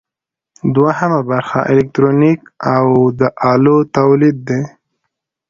دوهم برخه الکترونیک او د الو تولید دی.